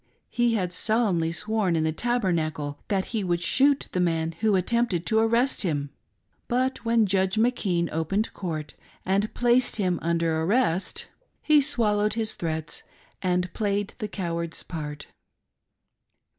He had solemnly sworn in the Tabernacle that he would shoot the man who attempted to arrest him ; but when Judge McKean opened court and placed him under arrest he swallowed his threats and played the coward's part.